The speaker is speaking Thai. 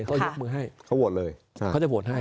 เขายกมือให้เขาจะโหวตเลย